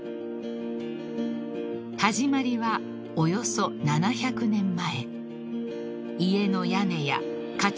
［始まりはおよそ７００年前］